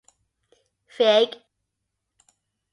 Fig.